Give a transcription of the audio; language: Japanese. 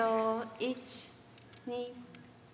１２。